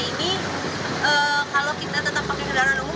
ini kalau kita tetap pakai kendaraan umum